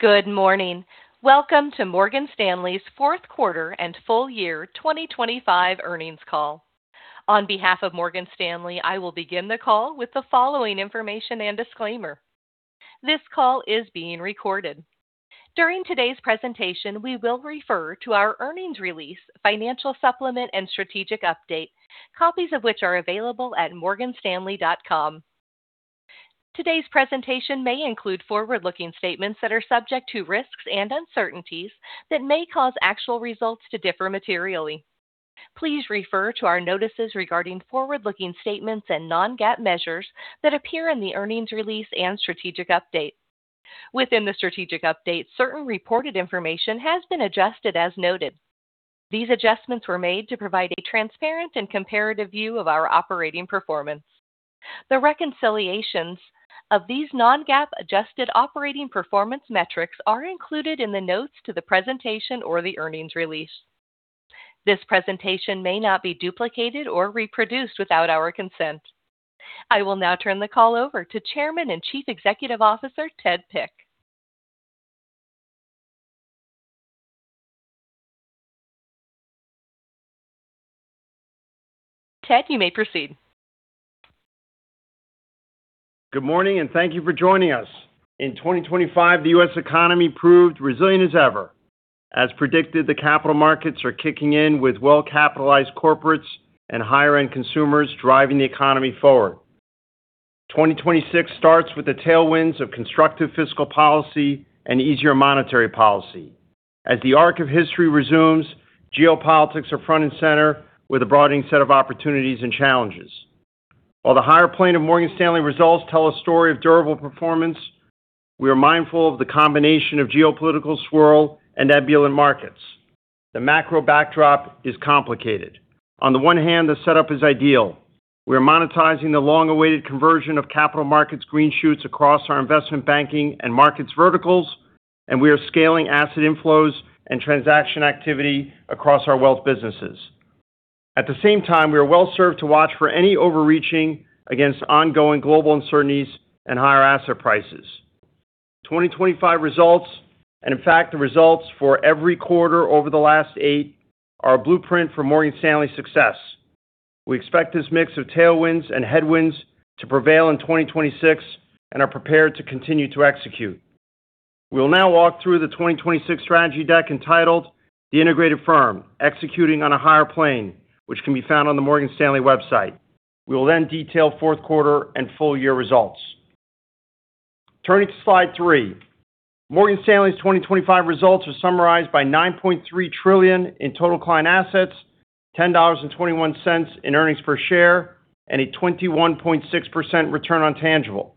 Good morning. Welcome to Morgan Stanley's Fourth Quarter and Full Year 2025 Earnings Call. On behalf of Morgan Stanley, I will begin the call with the following information and disclaimer. This call is being recorded. During today's presentation, we will refer to our earnings release, financial supplement, and strategic update, copies of which are available at morganstanley.com. Today's presentation may include forward-looking statements that are subject to risks and uncertainties that may cause actual results to differ materially. Please refer to our notices regarding forward-looking statements and non-GAAP measures that appear in the earnings release and strategic update. Within the strategic update, certain reported information has been adjusted as noted. These adjustments were made to provide a transparent and comparative view of our operating performance. The reconciliations of these non-GAAP adjusted operating performance metrics are included in the notes to the presentation or the earnings release. This presentation may not be duplicated or reproduced without our consent. I will now turn the call over to Chairman and Chief Executive Officer Ted Pick. Ted, you may proceed. Good morning and thank you for joining us. In 2025, the U.S. economy proved resilient as ever. As predicted, the capital Markets are kicking in with well-capitalized corporates and higher-end consumers driving the economy forward. 2026 starts with the tailwinds of constructive fiscal policy and easier monetary policy. As the arc of history resumes, geopolitics are front and center with a broadening set of opportunities and challenges. While the higher plane of Morgan Stanley results tell a story of durable performance, we are mindful of the combination of geopolitical swirl and nebulous markets. The macro backdrop is complicated. On the one hand, the setup is ideal. We are monetizing the long-awaited conversion of capital markets' green shoots across our Investment Banking and Markets verticals, and we are scaling asset inflows and transaction activity across our Wealth businesses. At the same time, we are well served to watch for any overreaching against ongoing global uncertainties and higher asset prices. 2025 results, and in fact, the results for every quarter over the last eight, are a blueprint for Morgan Stanley's success. We expect this mix of tailwinds and headwinds to prevail in 2026 and are prepared to continue to execute. We will now walk through the 2026 strategy deck entitled "The Integrated Firm: Executing on a Higher Plane," which can be found on the Morgan Stanley website. We will then detail fourth quarter and full year results. Turning to slide three, Morgan Stanley's 2025 results are summarized by $9.3 trillion in total client assets, $10.21 in earnings per share, and a 21.6% return on tangible.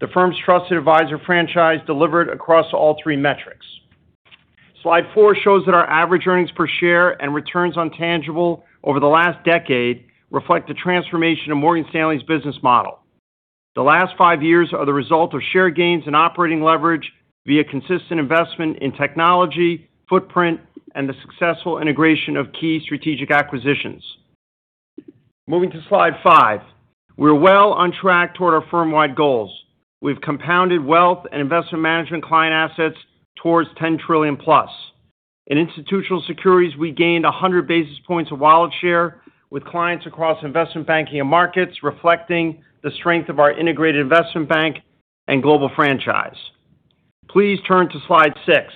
The firm's trusted advisor franchise delivered across all three metrics. Slide four shows that our average earnings per share and returns on tangible over the last decade reflect the transformation of Morgan Stanley's business model. The last five years are the result of share gains and operating leverage via consistent investment in technology, footprint, and the successful integration of key strategic acquisitions. Moving to slide five, we are well on track toward our firm-wide goals. We've compounded Wealth and Investment Management client assets toward $10 trillion plus. In Institutional Securities, we gained 100 basis points of wallet share with clients across Investment Banking and markets, reflecting the strength of our integrated investment bank and global franchise. Please turn to slide six.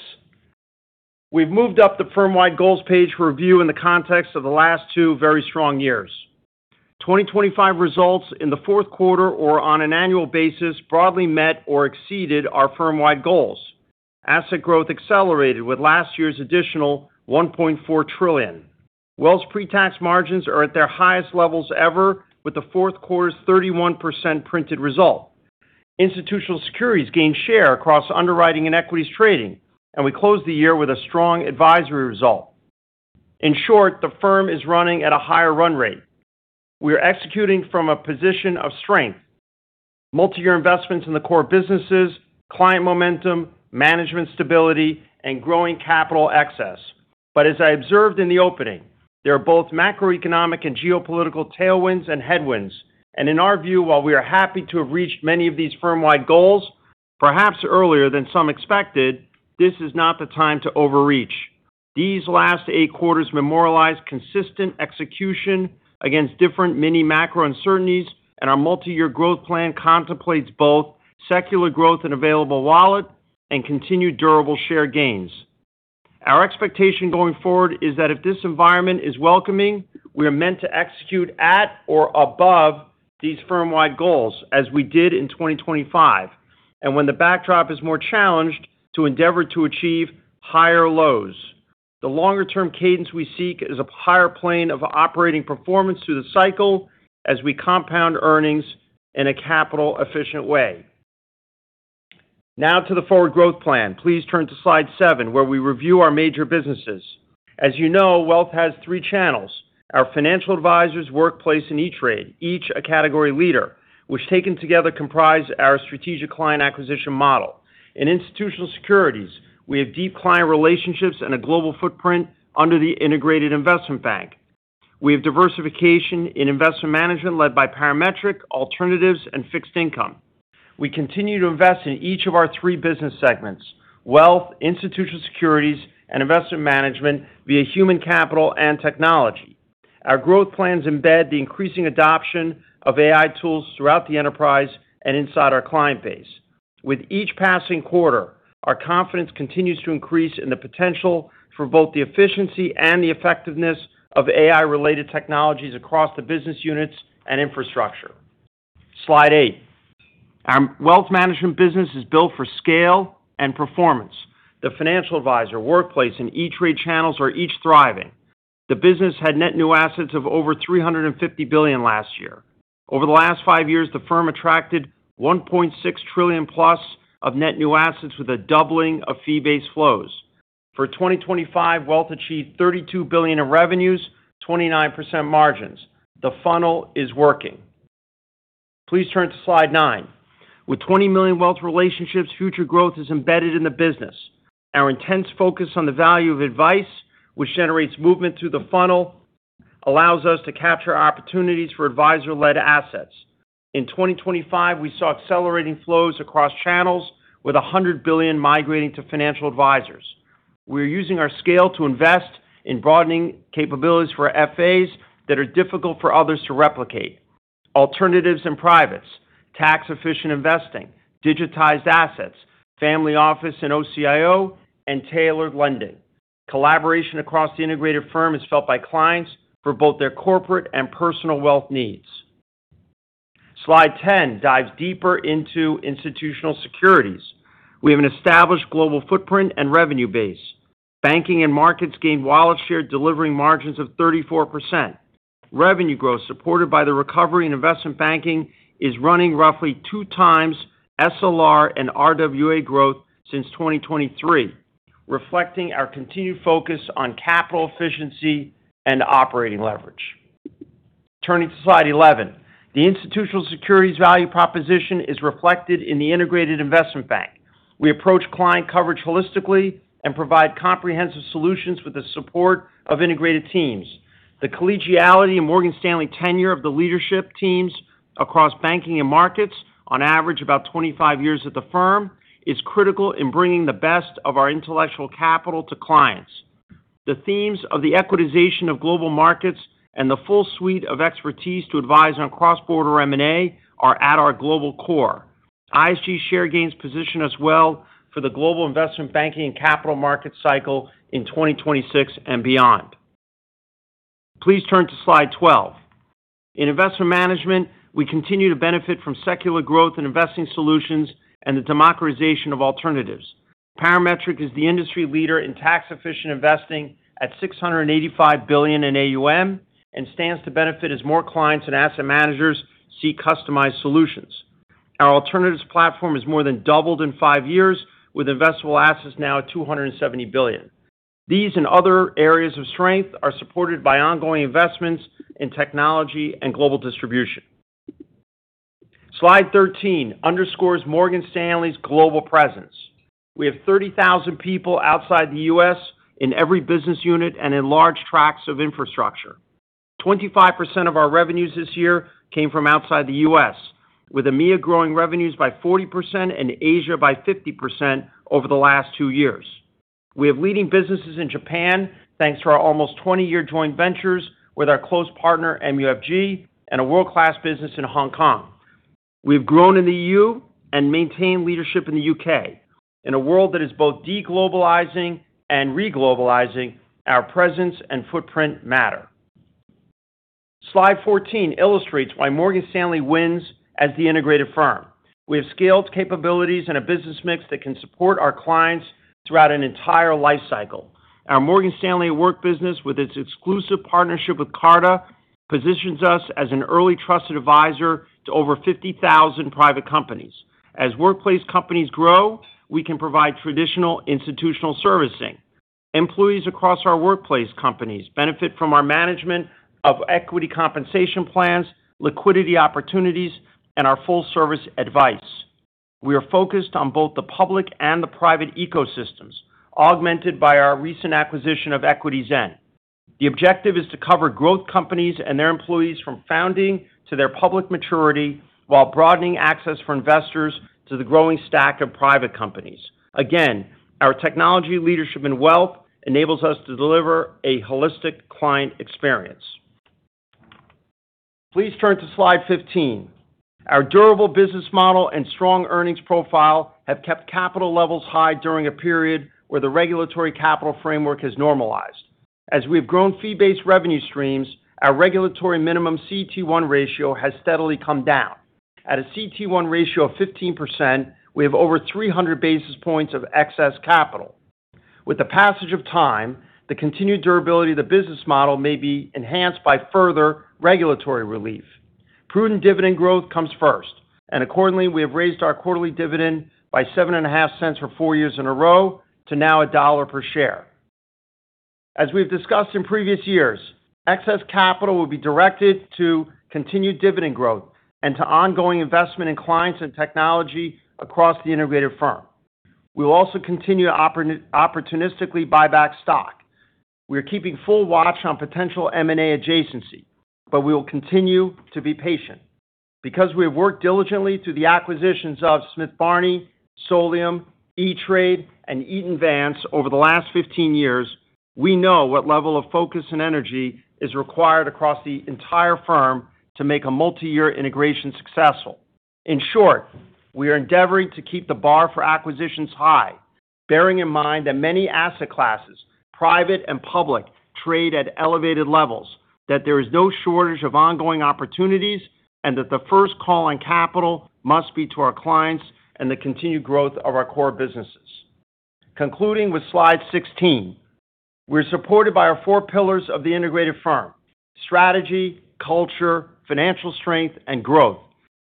We've moved up the firm-wide goals page for review in the context of the last two very strong years. 2025 results in the fourth quarter, or on an annual basis, broadly met or exceeded our firm-wide goals. Asset growth accelerated with last year's additional $1.4 trillion. Wealth's pre-tax margins are at their highest levels ever, with the fourth quarter's 31% printed result. Institutional securities gained share across underwriting and equities trading, and we closed the year with a strong advisory result. In short, the firm is running at a higher run rate. We are executing from a position of strength: multi-year investments in the core businesses, client momentum, management stability, and growing capital excess. But as I observed in the opening, there are both macroeconomic and geopolitical tailwinds and headwinds. And in our view, while we are happy to have reached many of these firm-wide goals, perhaps earlier than some expected, this is not the time to overreach. These last eight quarters memorialized consistent execution against different mini-macro uncertainties, and our multi-year growth plan contemplates both secular growth and available wallet and continued durable share gains. Our expectation going forward is that if this environment is welcoming, we are meant to execute at or above these firm-wide goals, as we did in 2025, and when the backdrop is more challenged to endeavor to achieve higher lows. The longer-term cadence we seek is a higher plane of operating performance through the cycle as we compound earnings in a capital-efficient way. Now to the forward growth plan. Please turn to slide seven, where we review our major businesses. As you know, Wealth has three channels. Our financial advisors, Workplace, and E*TRADE, each a category leader, which taken together comprise our strategic client acquisition model. In institutional securities, we have deep client relationships and a global footprint under the integrated investment bank. We have diversification in Investment Management led by Parametric, alternatives, and fixed income. We continue to invest in each of our three business segments: Wealth, Institutional Securities, and Investment Management via human capital and technology. Our growth plans embed the increasing adoption of AI tools throughout the enterprise and inside our client base. With each passing quarter, our confidence continues to increase in the potential for both the efficiency and the effectiveness of AI-related technologies across the business units and infrastructure. Slide eight. Our Wealth Management business is built for scale and performance. The financial advisor workplace and E*TRADE retail channel are each thriving. The business had net new assets of over $350 billion last year. Over the last five years, the firm attracted $1.6 trillion plus of net new assets with a doubling of fee-based flows. For 2025, Wealth achieved $32 billion in revenues, 29% margins. The funnel is working. Please turn to slide nine. With 20 million Wealth relationships, future growth is embedded in the business. Our intense focus on the value of advice, which generates movement through the funnel, allows us to capture opportunities for advisor-led assets. In 2025, we saw accelerating flows across channels with $100 billion migrating to financial advisors. We are using our scale to invest in broadening capabilities for FAs that are difficult for others to replicate: alternatives and privates, tax-efficient investing, digitized assets, family office and OCIO, and tailored lending. Collaboration across the integrated firm is felt by clients for both their corporate and personal wealth needs. Slide 10 dives deeper into Institutional Securities. We have an established global footprint and revenue base. Banking and markets gained wallet share delivering margins of 34%. Revenue growth supported by the recovery in Investment Banking is running roughly two times SLR and RWA growth since 2023, reflecting our continued focus on capital efficiency and operating leverage. Turning to slide 11, the Institutional Securities value proposition is reflected in the integrated investment bank. We approach client coverage holistically and provide comprehensive solutions with the support of integrated teams. The collegiality and Morgan Stanley tenure of the leadership teams across banking and markets, on average about 25 years at the firm, is critical in bringing the best of our intellectual capital to clients. The themes of the equitization of global markets and the full suite of expertise to advise on cross-border M&A are at our global core. ISG share gains position us well for the global Investment Banking and capital markets cycle in 2026 and beyond. Please turn to slide 12. In Investment Management, we continue to benefit from secular growth and investing solutions and the democratization of alternatives. Parametric is the industry leader in tax-efficient investing at $685 billion in AUM and stands to benefit as more clients and asset managers seek customized solutions. Our alternatives platform has more than doubled in five years, with investable assets now at $270 billion. These and other areas of strength are supported by ongoing investments in technology and global distribution. Slide 13 underscores Morgan Stanley's global presence. We have 30,000 people outside the U.S. in every business unit and large tracts of infrastructure. 25% of our revenues this year came from outside the U.S., with EMEA growing revenues by 40% and Asia by 50% over the last two years. We have leading businesses in Japan, thanks to our almost 20-year joint ventures with our close partner, MUFG, and a world-class business in Hong Kong. We have grown in the EU and maintained leadership in the U.K. In a world that is both deglobalizing and re-globalizing, our presence and footprint matter. Slide 14 illustrates why Morgan Stanley wins as the integrated firm. We have scaled capabilities and a business mix that can support our clients throughout an entire life cycle. Our Morgan Stanley at Work business, with its exclusive partnership with Carta, positions us as an early trusted advisor to over 50,000 private companies. As workplace companies grow, we can provide traditional institutional servicing. Employees across our workplace companies benefit from our management of equity compensation plans, liquidity opportunities, and our full-service advice. We are focused on both the public and the private ecosystems, augmented by our recent acquisition of EquityZen. The objective is to cover growth companies and their employees from founding to their public maturity while broadening access for investors to the growing stack of private companies. Again, our technology leadership and wealth enables us to deliver a holistic client experience. Please turn to slide 15. Our durable business model and strong earnings profile have kept capital levels high during a period where the regulatory capital framework has normalized. As we have grown fee-based revenue streams, our regulatory minimum CET1 ratio has steadily come down. At a CET1 ratio of 15%, we have over 300 basis points of excess capital. With the passage of time, the continued durability of the business model may be enhanced by further regulatory relief. Prudent dividend growth comes first. Accordingly, we have raised our quarterly dividend by $7.50 for four years in a row to now $1 per share. As we've discussed in previous years, excess capital will be directed to continued dividend growth and to ongoing investment in clients and technology across the integrated firm. We will also continue to opportunistically buy back stock. We are keeping full watch on potential M&A adjacency, but we will continue to be patient. Because we have worked diligently through the acquisitions of Smith Barney, Solium, E*TRADE, and Eaton Vance over the last 15 years, we know what level of focus and energy is required across the entire firm to make a multi-year integration successful. In short, we are endeavoring to keep the bar for acquisitions high, bearing in mind that many asset classes, private and public, trade at elevated levels, that there is no shortage of ongoing opportunities, and that the first call on capital must be to our clients and the continued growth of our core businesses. Concluding with slide 16, we're supported by our four pillars of the integrated firm: strategy, culture, financial strength, and growth.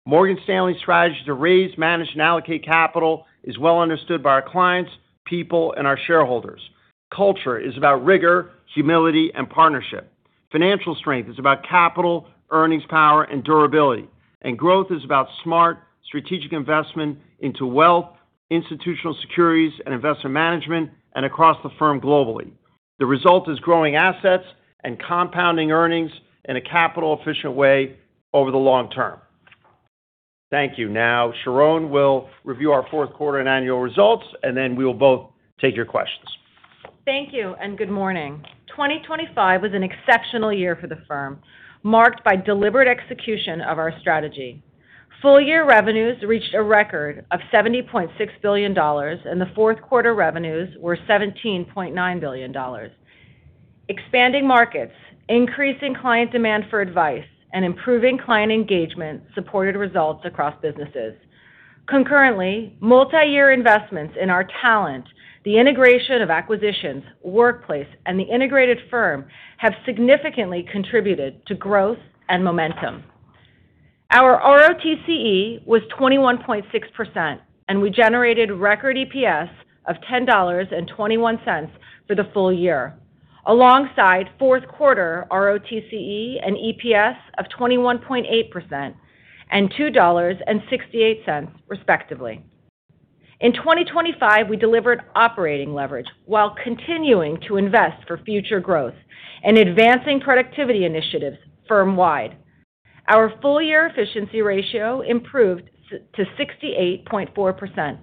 Morgan Stanley's strategy to raise, manage, and allocate capital is well understood by our clients, people, and our shareholders. Culture is about rigor, humility, and partnership. Financial strength is about capital, earnings power, and durability. And growth is about smart, strategic investment into wealth, Institutional Securities, and Investment Management, and across the firm globally. The result is growing assets and compounding earnings in a capital-efficient way over the long term. Thank you. Now, Sharon will review our fourth quarter and annual results, and then we will both take your questions. Thank you and good morning. 2025 was an exceptional year for the firm, marked by deliberate execution of our strategy. Full-year revenues reached a record of $70.6 billion, and the fourth quarter revenues were $17.9 billion. Expanding markets, increasing client demand for advice, and improving client engagement supported results across businesses. Concurrently, multi-year investments in our talent, the integration of acquisitions, workplace, and the integrated firm have significantly contributed to growth and momentum. Our ROTCE was 21.6%, and we generated record EPS of $10.21 for the full year, alongside fourth quarter ROTCE and EPS of 21.8% and $2.68, respectively. In 2025, we delivered operating leverage while continuing to invest for future growth and advancing productivity initiatives firm-wide. Our full-year efficiency ratio improved to 68.4%,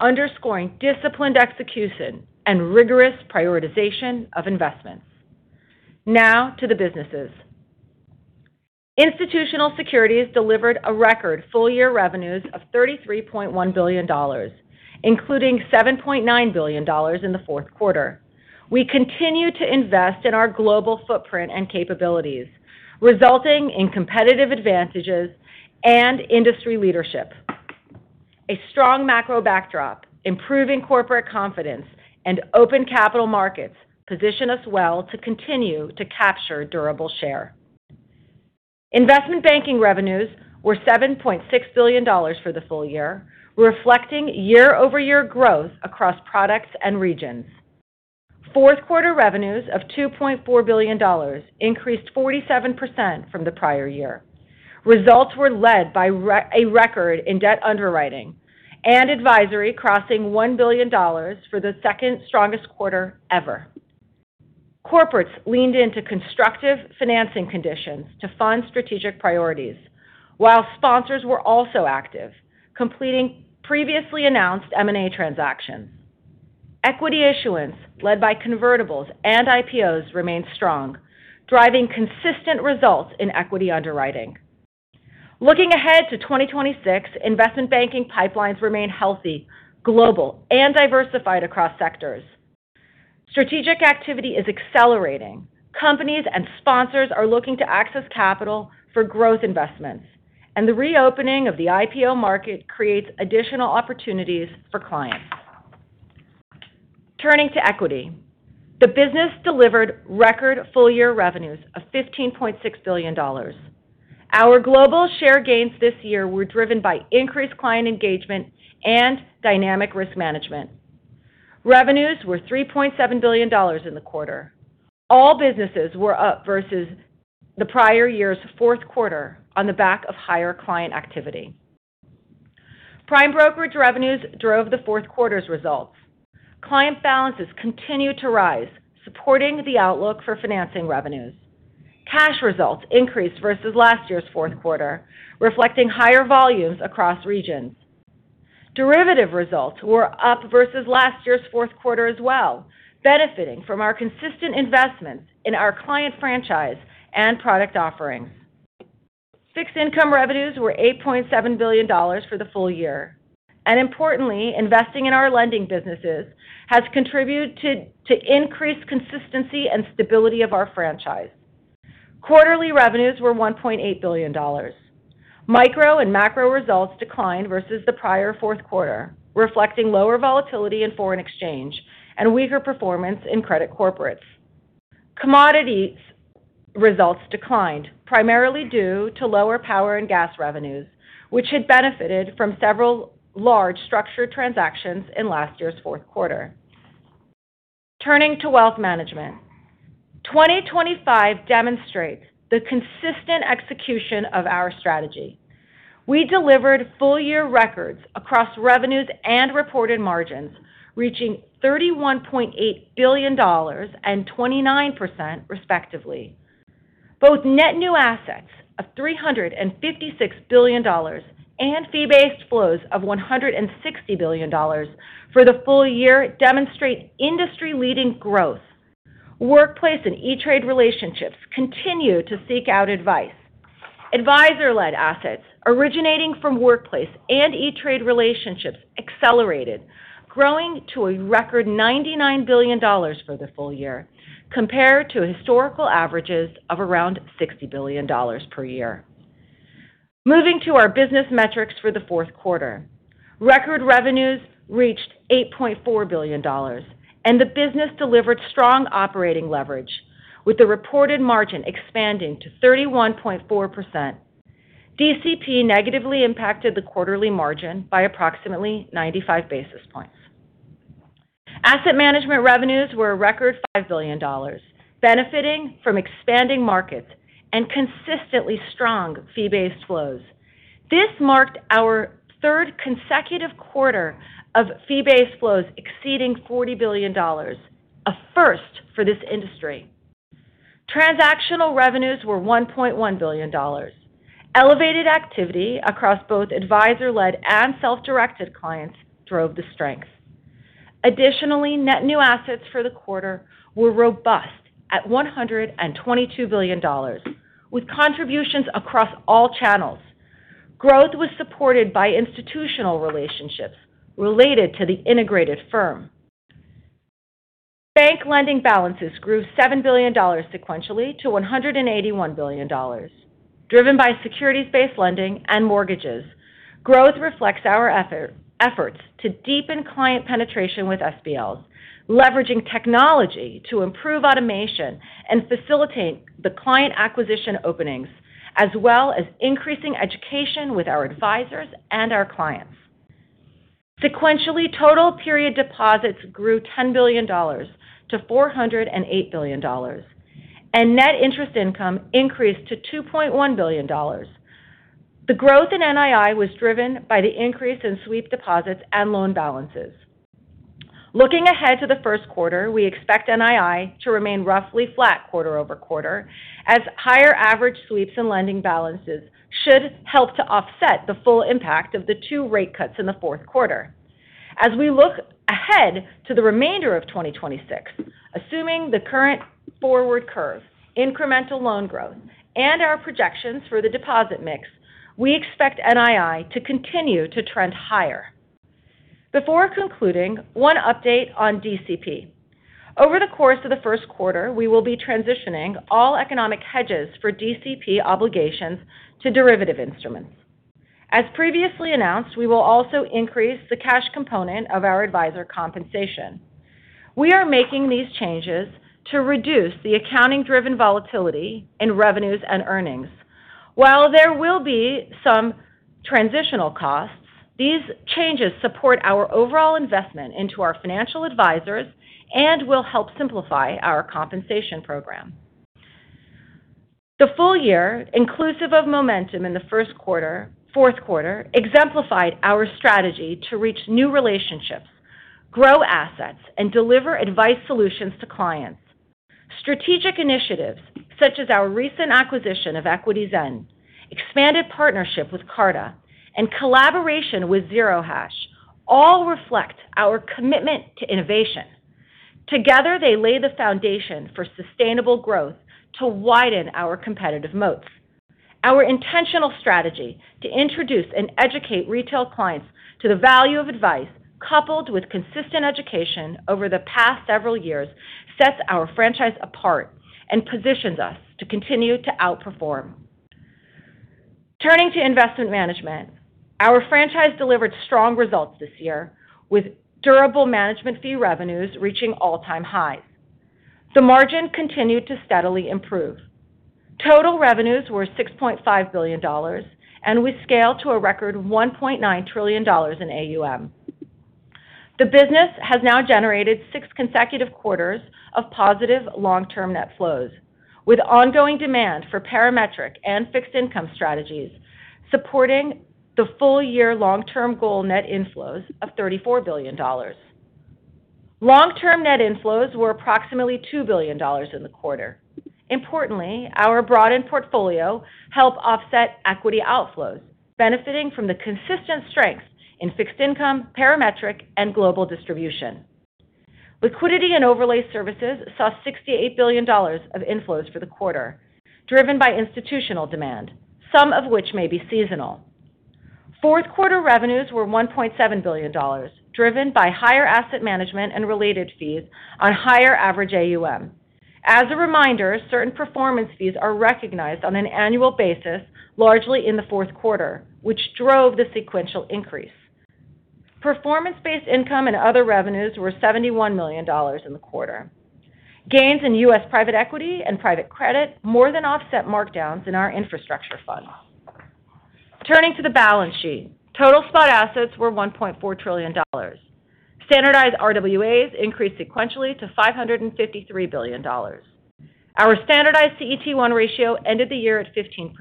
underscoring disciplined execution and rigorous prioritization of investments. Now to the businesses. Institutional Securities delivered a record full-year revenues of $33.1 billion, including $7.9 billion in the fourth quarter. We continue to invest in our global footprint and capabilities, resulting in competitive advantages and industry leadership. A strong macro backdrop, improving corporate confidence, and open capital markets position us well to continue to capture durable share. Investment Banking revenues were $7.6 billion for the full year, reflecting year-over-year growth across products and regions. Fourth quarter revenues of $2.4 billion increased 47% from the prior year. Results were led by a record in debt underwriting and advisory crossing $1 billion for the second strongest quarter ever. Corporates leaned into constructive financing conditions to fund strategic priorities, while sponsors were also active, completing previously announced M&A transactions. Equity issuance led by convertibles and IPOs remained strong, driving consistent results in equity underwriting. Looking ahead to 2026, Investment Banking pipelines remain healthy, global, and diversified across sectors. Strategic activity is accelerating. Companies and sponsors are looking to access capital for growth investments, and the reopening of the IPO market creates additional opportunities for clients. Turning to equity, the business delivered record full-year revenues of $15.6 billion. Our global share gains this year were driven by increased client engagement and dynamic risk management. Revenues were $3.7 billion in the quarter. All businesses were up versus the prior year's fourth quarter on the back of higher client activity. Prime brokerage revenues drove the fourth quarter's results. Client balances continued to rise, supporting the outlook for financing revenues. Cash results increased versus last year's fourth quarter, reflecting higher volumes across regions. Derivative results were up versus last year's fourth quarter as well, benefiting from our consistent investments in our client franchise and product offerings. Fixed income revenues were $8.7 billion for the full year. Importantly, investing in our lending businesses has contributed to increased consistency and stability of our franchise. Quarterly revenues were $1.8 billion. Micro and macro results declined versus the prior fourth quarter, reflecting lower volatility in foreign exchange and weaker performance in credit corporates. Commodity results declined, primarily due to lower power and gas revenues, which had benefited from several large structured transactions in last year's fourth quarter. Turning to Wealth Management, 2025 demonstrates the consistent execution of our strategy. We delivered full-year records across revenues and reported margins, reaching $31.8 billion and 29%, respectively. Both net new assets of $356 billion and fee-based flows of $160 billion for the full year demonstrate industry-leading growth. Workplace and E-Trade relationships continue to seek out advice. Advisor-led assets originating from workplace and E*TRADE relationships accelerated, growing to a record $99 billion for the full year, compared to historical averages of around $60 billion per year. Moving to our business metrics for the fourth quarter, record revenues reached $8.4 billion, and the business delivered strong operating leverage, with the reported margin expanding to 31.4%. DCP negatively impacted the quarterly margin by approximately 95 basis points. Asset management revenues were a record $5 billion, benefiting from expanding markets and consistently strong fee-based flows. This marked our third consecutive quarter of fee-based flows exceeding $40 billion, a first for this industry. Transactional revenues were $1.1 billion. Elevated activity across both advisor-led and self-directed clients drove the strength. Additionally, net new assets for the quarter were robust at $122 billion, with contributions across all channels. Growth was supported by institutional relationships related to the integrated firm. Bank lending balances grew $7 billion sequentially to $181 billion, driven by securities-based lending and mortgages. Growth reflects our efforts to deepen client penetration with SBLs, leveraging technology to improve automation and facilitate the client acquisition openings, as well as increasing education with our advisors and our clients. Sequentially, total period deposits grew $10 billion-$408 billion, and net interest income increased to $2.1 billion. The growth in NII was driven by the increase in sweep deposits and loan balances. Looking ahead to the first quarter, we expect NII to remain roughly flat quarter over quarter, as higher average sweeps and lending balances should help to offset the full impact of the two rate cuts in the fourth quarter. As we look ahead to the remainder of 2026, assuming the current forward curve, incremental loan growth, and our projections for the deposit mix, we expect NII to continue to trend higher. Before concluding, one update on DCP. Over the course of the first quarter, we will be transitioning all economic hedges for DCP obligations to derivative instruments. As previously announced, we will also increase the cash component of our advisor compensation. We are making these changes to reduce the accounting-driven volatility in revenues and earnings. While there will be some transitional costs, these changes support our overall investment into our financial advisors and will help simplify our compensation program. The full year, inclusive of momentum in the fourth quarter, exemplified our strategy to reach new relationships, grow assets, and deliver advice solutions to clients. Strategic initiatives such as our recent acquisition of EquityZen, expanded partnership with Carta, and collaboration with Zero Hash all reflect our commitment to innovation. Together, they lay the foundation for sustainable growth to widen our competitive moats. Our intentional strategy to introduce and educate retail clients to the value of advice, coupled with consistent education over the past several years, sets our franchise apart and positions us to continue to outperform. Turning to Investment Management, our franchise delivered strong results this year, with durable management fee revenues reaching all-time highs. The margin continued to steadily improve. Total revenues were $6.5 billion, and we scaled to a record $1.9 trillion in AUM. The business has now generated six consecutive quarters of positive long-term net flows, with ongoing demand for parametric and fixed income strategies supporting the full-year long-term goal net inflows of $34 billion. Long-term net inflows were approximately $2 billion in the quarter. Importantly, our broadened portfolio helped offset equity outflows, benefiting from the consistent strength in fixed income, parametric, and global distribution. Liquidity and overlay services saw $68 billion of inflows for the quarter, driven by institutional demand, some of which may be seasonal. Fourth quarter revenues were $1.7 billion, driven by higher asset management and related fees on higher average AUM. As a reminder, certain performance fees are recognized on an annual basis, largely in the fourth quarter, which drove the sequential increase. Performance-based income and other revenues were $71 million in the quarter. Gains in U.S. private equity and private credit more than offset markdowns in our infrastructure fund. Turning to the balance sheet, total spot assets were $1.4 trillion. Standardized RWAs increased sequentially to $553 billion. Our standardized CET1 ratio ended the year at 15%.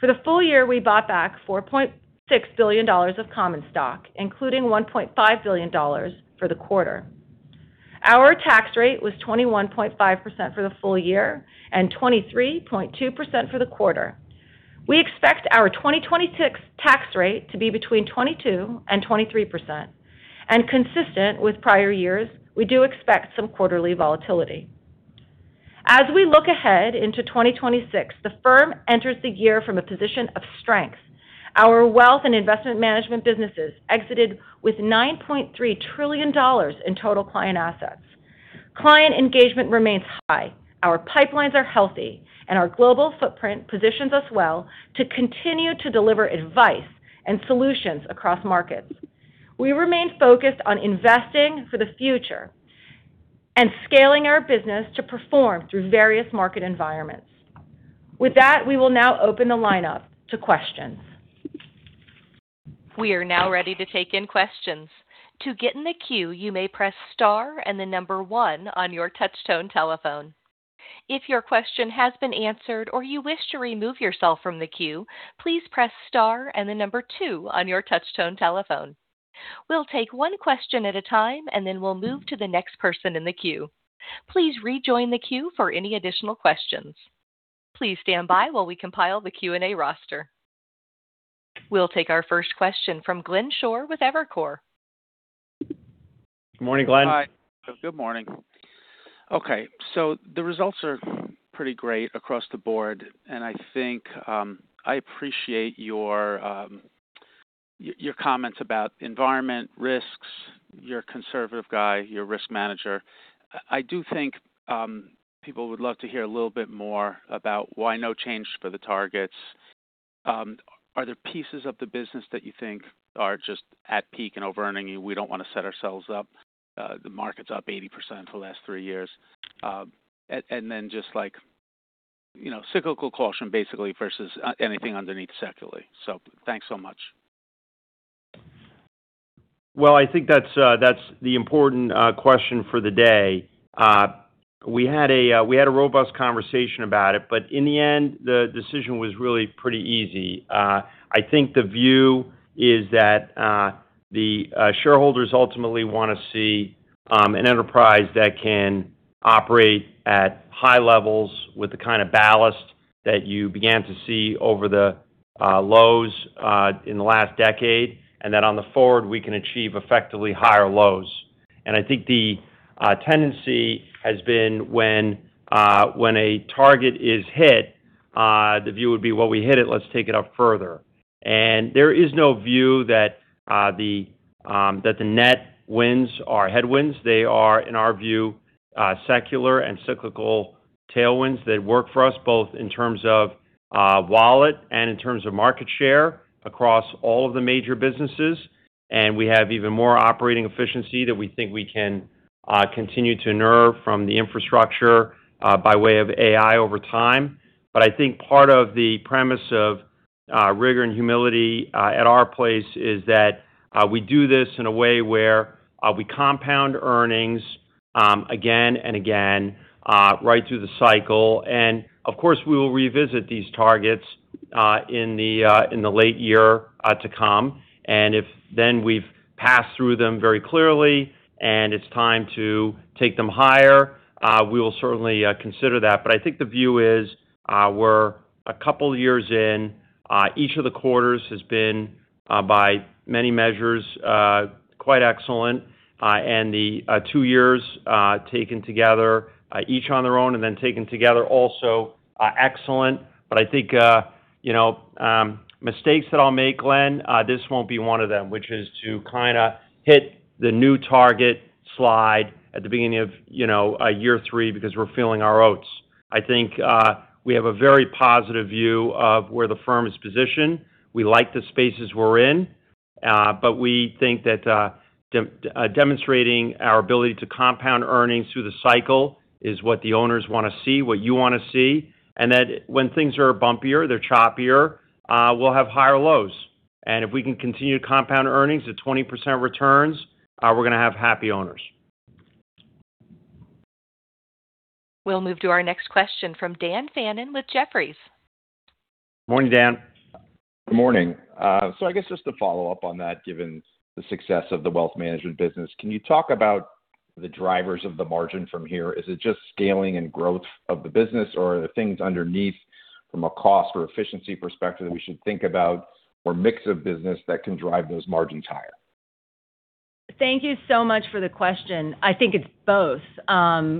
For the full year, we bought back $4.6 billion of common stock, including $1.5 billion for the quarter. Our tax rate was 21.5% for the full year and 23.2% for the quarter. We expect our 2026 tax rate to be between 22 and 23%. And consistent with prior years, we do expect some quarterly volatility. As we look ahead into 2026, the firm enters the year from a position of strength. Our wealth and Investment Management businesses exited with $9.3 trillion in total client assets. Client engagement remains high. Our pipelines are healthy, and our global footprint positions us well to continue to deliver advice and solutions across markets. We remain focused on investing for the future and scaling our business to perform through various market environments. With that, we will now open the line up to questions. We are now ready to take questions. To get in the queue, you may press star and the number one on your touch-tone telephone. If your question has been answered or you wish to remove yourself from the queue, please press star and the number two on your touch-tone telephone. We'll take one question at a time, and then we'll move to the next person in the queue. Please rejoin the queue for any additional questions. Please stand by while we compile the Q&A roster. We'll take our first question from Glenn Schorr with Evercore. Good morning, Glenn. Hi. Good morning. Okay. The results are pretty great across the board. And I think I appreciate your comments about environment, risks. You're a conservative guy. You're a risk manager. I do think people would love to hear a little bit more about why no change for the targets. Are there pieces of the business that you think are just at peak and over-earning, and we don't want to set ourselves up? The market's up 80% for the last three years. And then just cyclical caution, basically, versus anything underneath secularly. So thanks so much. Well, I think that's the important question for the day. We had a robust conversation about it, but in the end, the decision was really pretty easy. I think the view is that the shareholders ultimately want to see an enterprise that can operate at high levels with the kind of ballast that you began to see over the lows in the last decade, and that on the forward, we can achieve effectively higher lows. And I think the tendency has been when a target is hit, the view would be, "Well, we hit it. Let's take it up further," and there is no view that the net wins are headwinds. They are, in our view, secular and cyclical tailwinds that work for us, both in terms of wallet and in terms of market share across all of the major businesses, and we have even more operating efficiency that we think we can continue to garner from the infrastructure by way of AI over time, but I think part of the premise of rigor and humility at our place is that we do this in a way where we compound earnings again and again right through the cycle, and of course, we will revisit these targets in the latter years to come, and if then we've passed through them very clearly and it's time to take them higher, we will certainly consider that, but I think the view is we're a couple of years in. Each of the quarters has been, by many measures, quite excellent. The two years taken together, each on their own and then taken together, also excellent. I think mistakes that I'll make, Glenn, this won't be one of them, which is to kind of hit the new target slide at the beginning of year three because we're feeling our oats. I think we have a very positive view of where the firm is positioned. We like the spaces we're in, but we think that demonstrating our ability to compound earnings through the cycle is what the owners want to see, what you want to see. That when things are bumpier, they're choppier, we'll have higher lows. If we can continue to compound earnings at 20% returns, we're going to have happy owners. We'll move to our next question from Dan Fannon with Jefferies. Morning, Dan. Good morning. So I guess just to follow up on that, given the success of the Wealth Management business, can you talk about the drivers of the margin from here? Is it just scaling and growth of the business, or are there things underneath from a cost or efficiency perspective that we should think about or a mix of business that can drive those margins higher? Thank you so much for the question. I think it's both.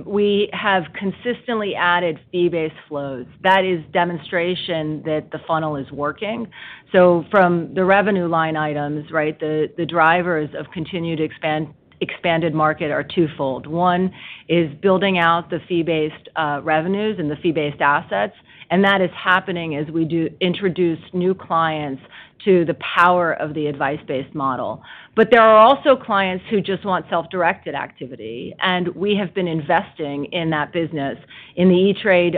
We have consistently added fee-based flows. That is demonstration that the funnel is working. So from the revenue line items, right, the drivers of continued expanded margins are twofold. One is building out the fee-based revenues and the fee-based assets. And that is happening as we do introduce new clients to the power of the advice-based model. But there are also clients who just want self-directed activity. And we have been investing in that business in the E*TRADE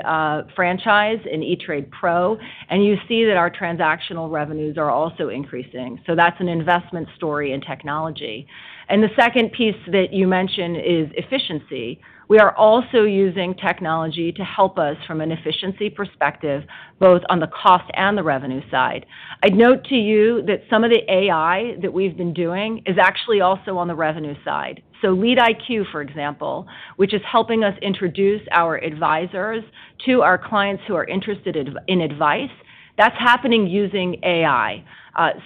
franchise, in E*TRADE Pro. And you see that our transactional revenues are also increasing. So that's an investment story in technology. And the second piece that you mentioned is efficiency. We are also using technology to help us from an efficiency perspective, both on the cost and the revenue side. I'd note to you that some of the AI that we've been doing is actually also on the revenue side. So LeadIQ, for example, which is helping us introduce our advisors to our clients who are interested in advice, that's happening using AI.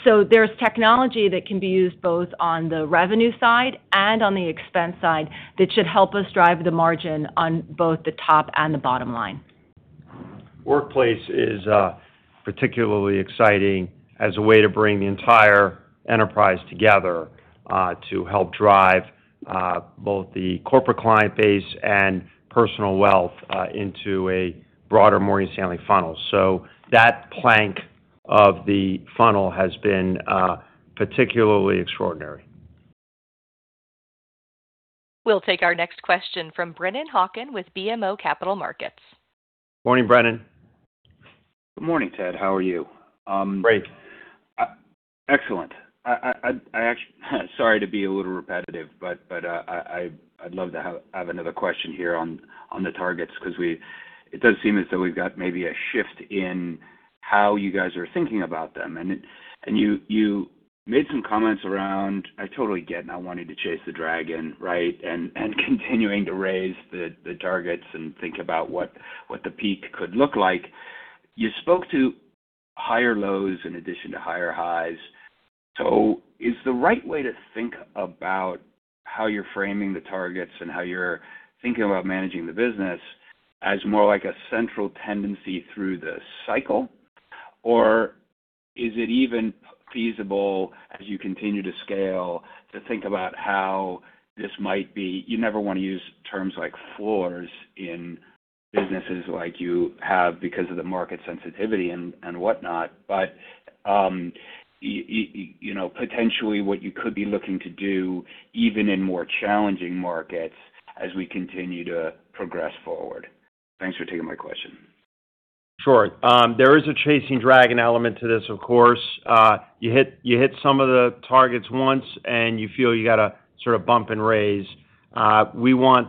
So there's technology that can be used both on the revenue side and on the expense side that should help us drive the margin on both the top and the bottom line. Workplace is particularly exciting as a way to bring the entire enterprise together to help drive both the corporate client base and personal wealth into a broader Morgan Stanley funnel. So that plank of the funnel has been particularly extraordinary. We'll take our next question from Brennan Hawken with BMO Capital Markets. Morning, Brennan. Good morning, Ted. How are you? Great. Excellent. Sorry to be a little repetitive, but I'd love to have another question here on the targets because it does seem as though we've got maybe a shift in how you guys are thinking about them. And you made some comments around, "I totally get it," and I wanted to chase the dragon, right, and continuing to raise the targets and think about what the peak could look like. You spoke to higher lows in addition to higher highs. So is the right way to think about how you're framing the targets and how you're thinking about managing the business as more like a central tendency through the cycle, or is it even feasible, as you continue to scale, to think about how this might be? You never want to use terms like floors in businesses like you have because of the market sensitivity and whatnot, but potentially what you could be looking to do even in more challenging markets as we continue to progress forward. Thanks for taking my question. Sure. There is a chasing the dragon element to this, of course. You hit some of the targets once, and you feel you got to sort of bump and raise. We want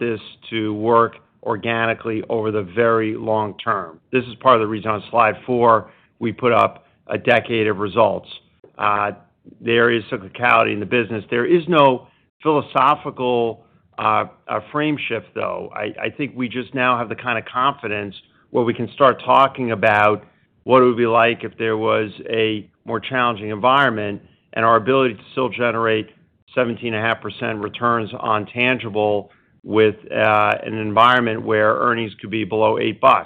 this to work organically over the very long term. This is part of the reason on slide four we put up a decade of results, the areas of locality in the business. There is no philosophical frame shift, though. I think we just now have the kind of confidence where we can start talking about what it would be like if there was a more challenging environment and our ability to still generate 17.5% returns on tangible with an environment where earnings could be below $8.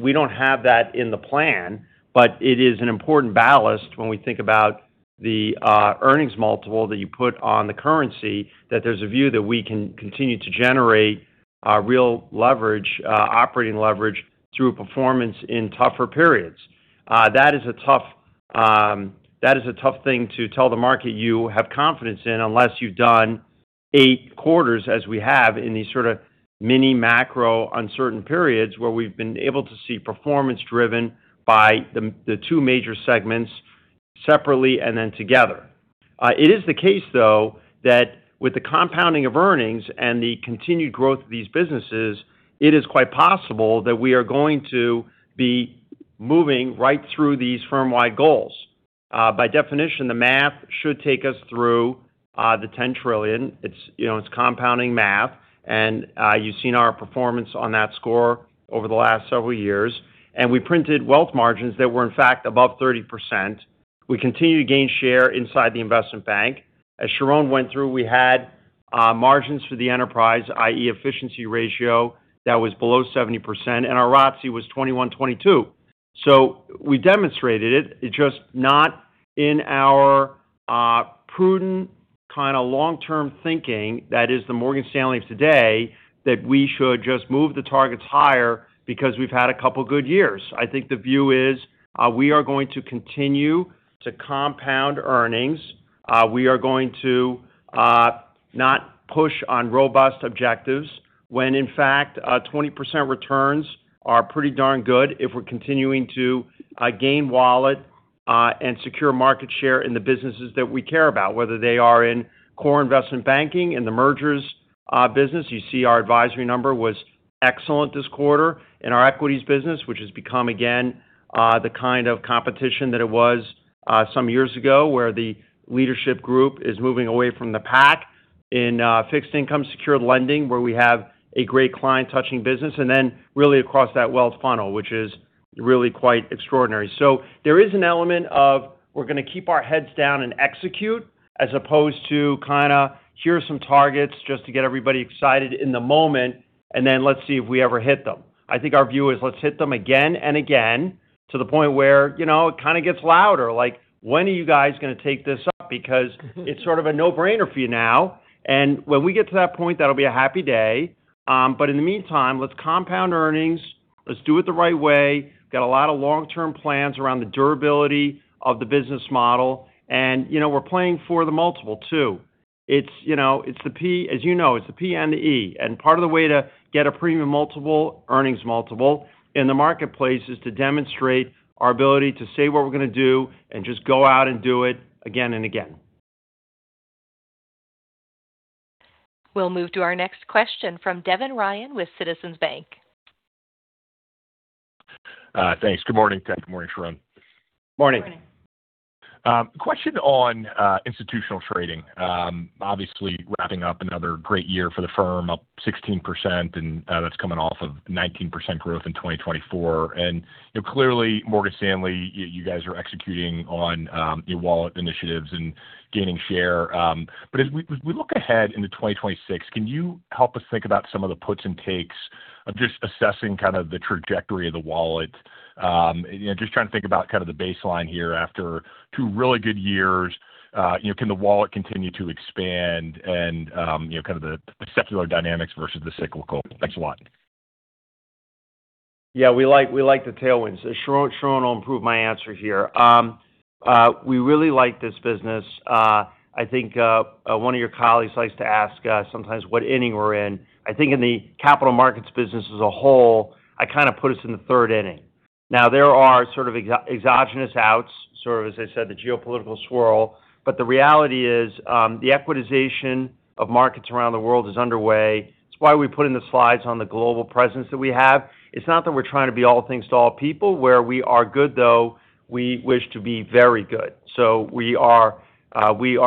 We don't have that in the plan, but it is an important ballast when we think about the earnings multiple that you put on the currency, that there's a view that we can continue to generate real leverage, operating leverage through performance in tougher periods. That is a tough thing to tell the market you have confidence in unless you've done eight quarters, as we have in these sort of mini macro uncertain periods where we've been able to see performance driven by the two major segments separately and then together. It is the case, though, that with the compounding of earnings and the continued growth of these businesses, it is quite possible that we are going to be moving right through these firm-wide goals. By definition, the math should take us through the $10 trillion. It's compounding math. And you've seen our performance on that score over the last several years. And we printed wealth margins that were, in fact, above 30%. We continue to gain share inside the investment bank. As Sharon went through, we had margins for the enterprise, i.e., efficiency ratio that was below 70%, and our ROTCE was 21%-22%. So we demonstrated it, just not in our prudent kind of long-term thinking that is the Morgan Stanley of today, that we should just move the targets higher because we've had a couple of good years. I think the view is we are going to continue to compound earnings. We are going to not push on robust objectives when, in fact, 20% returns are pretty darn good if we're continuing to gain wallet and secure market share in the businesses that we care about, whether they are in core Investment Banking and the mergers business. You see our advisory number was excellent this quarter in our equities business, which has become, again, the kind of competition that it was some years ago where the leadership group is moving away from the pack in fixed income secure lending, where we have a great client touching business, and then really across that wealth funnel, which is really quite extraordinary. So there is an element of we're going to keep our heads down and execute as opposed to kind of here are some targets just to get everybody excited in the moment, and then let's see if we ever hit them. I think our view is let's hit them again and again to the point where it kind of gets louder, like, "When are you guys going to take this up?" Because it's sort of a no-brainer for you now. And when we get to that point, that'll be a happy day. But in the meantime, let's compound earnings. Let's do it the right way. Got a lot of long-term plans around the durability of the business model. And we're playing for the multiple too. As you know, it's the P and the E. And part of the way to get a premium multiple, earnings multiple in the marketplace is to demonstrate our ability to say what we're going to do and just go out and do it again and again. We'll move to our next question from Devin Ryan with Citizens Bank. Thanks. Good morning, Ted. Good morning, Sharon. Morning. Morning. Question on institutional trading. Obviously, wrapping up another great year for the firm, up 16%, and that's coming off of 19% growth in 2024.And clearly, Morgan Stanley, you guys are executing on your wallet initiatives and gaining share. But as we look ahead into 2026, can you help us think about some of the puts and takes of just assessing kind of the trajectory of the wallet? Just trying to think about kind of the baseline here after two really good years. Can the wallet continue to expand and kind of the secular dynamics versus the cyclical? Thanks a lot. Yeah, we like the tailwinds. Sharon will improve my answer here. We really like this business. I think one of your colleagues likes to ask sometimes what inning we're in. I think in the capital markets business as a whole, I kind of put us in the third inning. Now, there are sort of exogenous outs, sort of, as I said, the geopolitical swirl. But the reality is the equitization of markets around the world is underway. It's why we put in the slides on the global presence that we have. It's not that we're trying to be all things to all people. Where we are good, though, we wish to be very good. So we are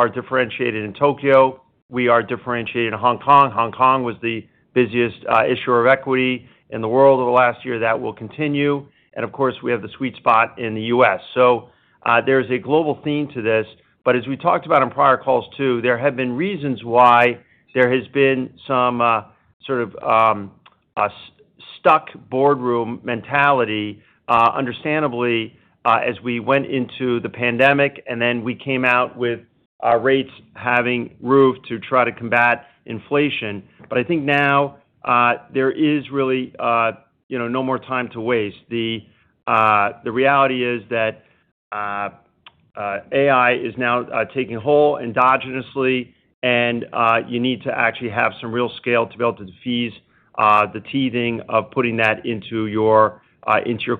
differentiated in Tokyo. We are differentiated in Hong Kong. Hong Kong was the busiest issuer of equity in the world over the last year. That will continue. And of course, we have the sweet spot in the U.S. So there is a global theme to this. But as we talked about on prior calls too, there have been reasons why there has been some sort of stuck boardroom mentality, understandably, as we went into the pandemic and then we came out with rates having to rise to try to combat inflation. But I think now there is really no more time to waste. The reality is that AI is now taking hold endogenously, and you need to actually have some real scale to be able to defuse the teething of putting that into your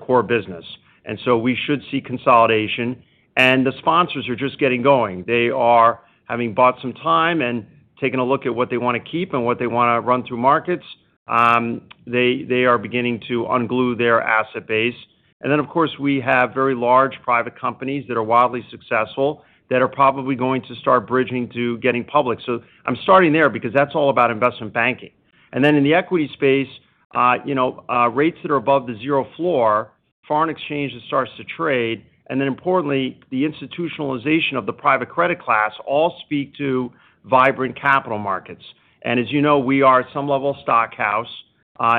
core business. And so we should see consolidation. And the sponsors are just getting going. They are having bought some time and taking a look at what they want to keep and what they want to run through markets. They are beginning to unglue their asset base. And then, of course, we have very large private companies that are wildly successful that are probably going to start bridging to going public. So I'm starting there because that's all about Investment Banking. And then in the equity space, rates that are above the zero floor, foreign exchange that starts to trade, and then importantly, the institutionalization of the private credit class all speak to vibrant capital markets. And as you know, we are a full-service stockhouse,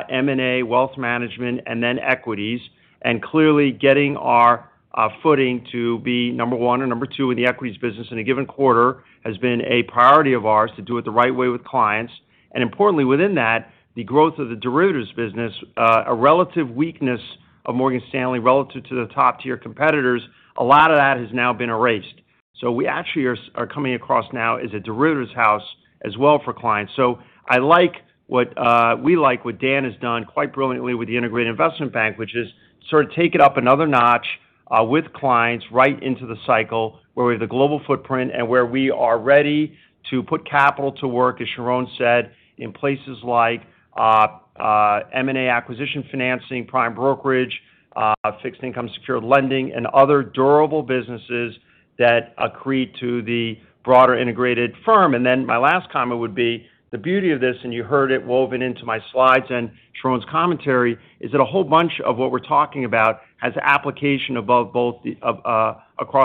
M&A, Wealth Management, and then equities. And clearly, getting our footing to be number one or number two in the equities business in a given quarter has been a priority of ours to do it the right way with clients. And importantly, within that, the growth of the derivatives business, a relative weakness of Morgan Stanley relative to the top-tier competitors, a lot of that has now been erased. So we actually are coming across now as a derivatives house as well for clients. So I like what Dan has done quite brilliantly with the Integrated Investment Bank, which is sort of take it up another notch with clients right into the cycle where we have the global footprint and where we are ready to put capital to work, as Sharon said, in places like M&A acquisition financing, prime brokerage, fixed income, securities lending, and other durable businesses that accrete to the broader integrated firm. And then my last comment would be the beauty of this, and you heard it woven into my slides and Sharon's commentary, is that a whole bunch of what we're talking about has application across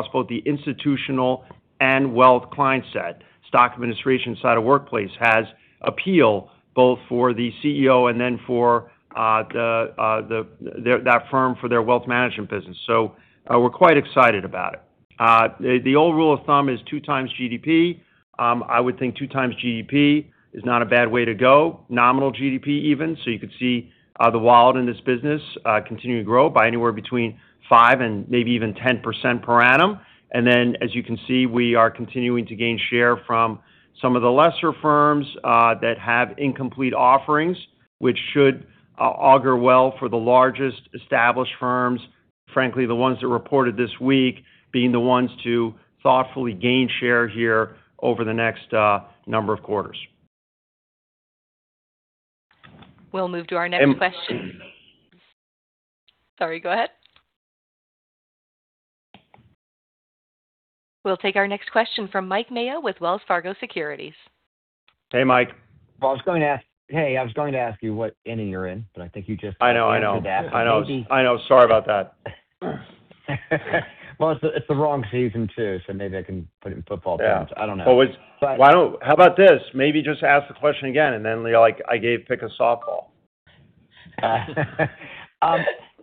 both the institutional and wealth client set. Stock administration side of workplace has appeal both for the CEO and then for that firm for their Wealth Management business. So we're quite excited about it. The old rule of thumb is two times GDP. I would think two times GDP is not a bad way to go. Nominal GDP even. So you could see the wallet in this business continuing to grow by anywhere between 5%-10% per annum. And then, as you can see, we are continuing to gain share from some of the lesser firms that have incomplete offerings, which should augur well for the largest established firms, frankly, the ones that reported this week being the ones to thoughtfully gain share here over the next number of quarters. We'll move to our next question. Sorry, go ahead. We'll take our next question from Mike Mayo with Wells Fargo Securities. Hey, Mike. I was going to ask you what inning you're in, but I think you just answered that. I know. I know.I know. Sorry about that. Well, it's the wrong season too, so maybe I can put it in football terms. I don't know. How about this? Maybe just ask the question again, and then I pick a softball.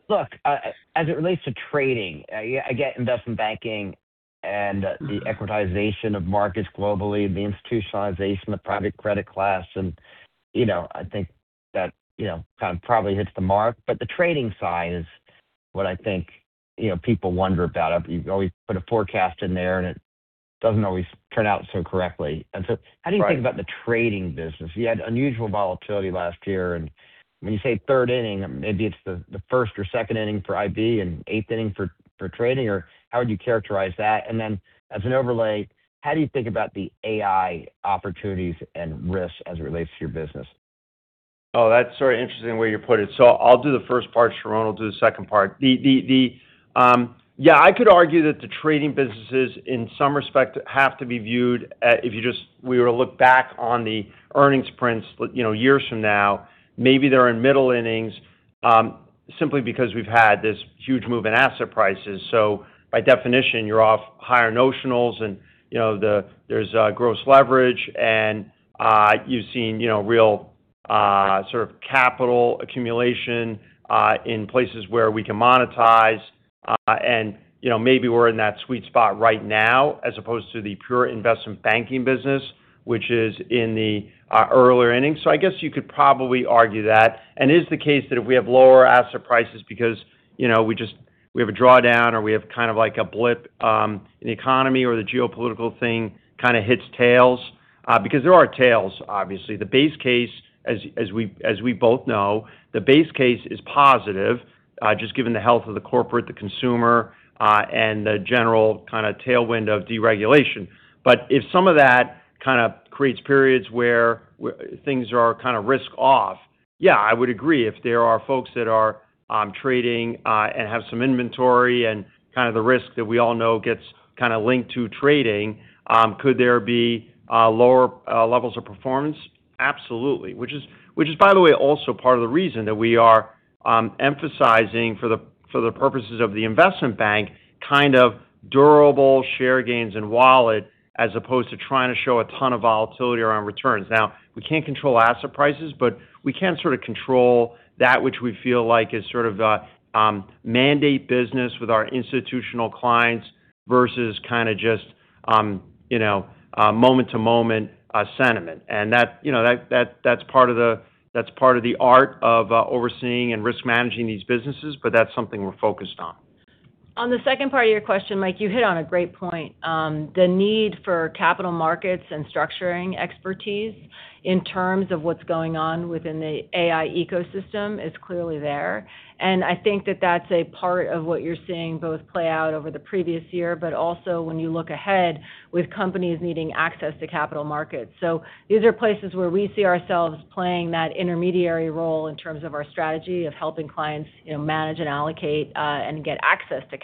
Look, as it relates to trading, I get Investment Banking and the equitization of markets globally, the institutionalization of the private credit class. And I think that kind of probably hits the mark. But the trading side is what I think people wonder about. You always put a forecast in there, and it doesn't always turn out so correctly. And so how do you think about the trading business? You had unusual volatility last year. And when you say third inning, maybe it's the first or second inning for IB and eighth inning for trading, or how would you characterize that? And then as an overlay, how do you think about the AI opportunities and risks as it relates to your business? Oh, that's sort of interesting the way you put it. So I'll do the first part, Sharon. I'll do the second part. Yeah, I could argue that the trading businesses in some respect have to be viewed if you just we were to look back on the earnings prints years from now, maybe they're in middle innings simply because we've had this huge move in asset prices. So by definition, you're off higher notionals, and there's gross leverage, and you've seen real sort of capital accumulation in places where we can monetize. And maybe we're in that sweet spot right now as opposed to the pure Investment Banking business, which is in the earlier innings. So I guess you could probably argue that.It is the case that if we have lower asset prices because we have a drawdown or we have kind of like a blip in the economy or the geopolitical thing kind of hits tails because there are tails, obviously. The base case, as we both know, the base case is positive just given the health of the corporate, the consumer, and the general kind of tailwind of deregulation. If some of that kind of creates periods where things are kind of risk-off, yeah, I would agree. If there are folks that are trading and have some inventory and kind of the risk that we all know gets kind of linked to trading, could there be lower levels of performance? Absolutely.Which is, by the way, also part of the reason that we are emphasizing for the purposes of the investment bank kind of durable share gains and wallet as opposed to trying to show a ton of volatility around returns. Now, we can't control asset prices, but we can sort of control that, which we feel like is sort of a mandate business with our institutional clients versus kind of just moment-to-moment sentiment. And that's part of the art of overseeing and risk managing these businesses, but that's something we're focused on. On the second part of your question, Mike, you hit on a great point. The need for capital markets and structuring expertise in terms of what's going on within the AI ecosystem is clearly there. And I think that that's a part of what you're seeing both play out over the previous year, but also when you look ahead with companies needing access to capital markets. So these are places where we see ourselves playing that intermediary role in terms of our strategy of helping clients manage and allocate and get access to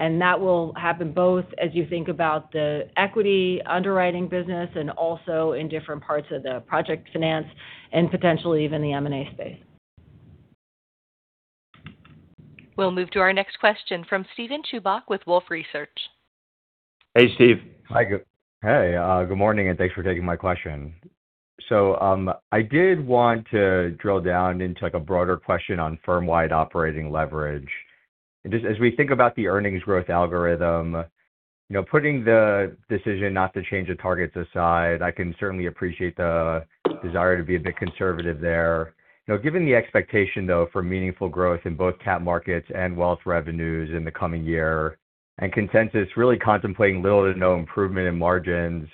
capital. And that will happen both as you think about the equity underwriting business and also in different parts of the project finance and potentially even the M&A space. We'll move to our next question from Steven Chubak with Wolfe Research. Hey, Steve. Hi, Ted. Hey, good morning, and thanks for taking my question. So I did want to drill down into a broader question on firm-wide operating leverage. As we think about the earnings growth algorithm, putting the decision not to change the targets aside, I can certainly appreciate the desire to be a bit conservative there. Given the expectation, though, for meaningful growth in both cap markets and wealth revenues in the coming year and consensus really contemplating little to no improvement in margins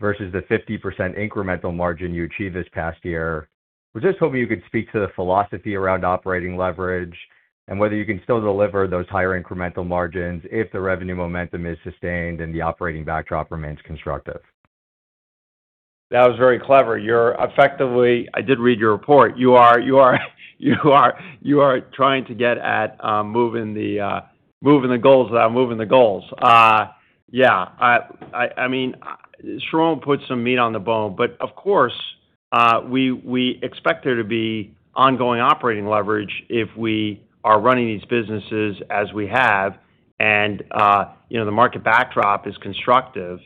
versus the 50% incremental margin you achieved this past year, we're just hoping you could speak to the philosophy around operating leverage and whether you can still deliver those higher incremental margins if the revenue momentum is sustained and the operating backdrop remains constructive. That was very clever. I did read your report. You are trying to get at moving the goals without moving the goals. Yeah.I mean, Sharon put some meat on the bone, but of course, we expect there to be ongoing operating leverage if we are running these businesses as we have. And the market backdrop is constructive.